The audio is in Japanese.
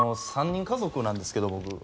３人家族なんですけど僕。